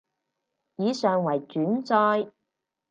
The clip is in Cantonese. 以上為轉載